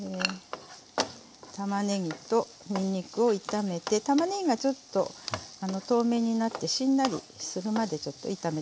たまねぎとにんにくを炒めてたまねぎがちょっと透明になってしんなりするまで炒めてください。